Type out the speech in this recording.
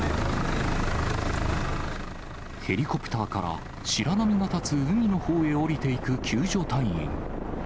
ヘリコプターから、白波が立つ海のほうへ降りていく救助隊員。